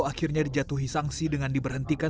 akhirnya dijatuhi sanksi dengan diberhentikan